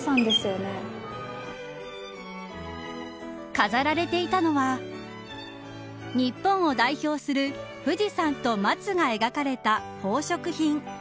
飾られていたのは日本を代表する富士山と松が描かれた宝飾品。